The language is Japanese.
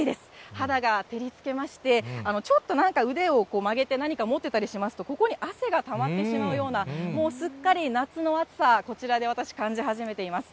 肌が照りつけまして、ちょっとなんか腕を曲げて、何か持ってたりしますと、ここに汗がたまってしまうような、もうすっかり夏の暑さ、こちらで私、感じ始めています。